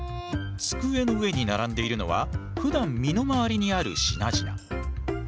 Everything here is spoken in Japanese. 机の上に並んでいるのはふだん身の回りにある品々。